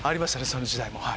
その時代も。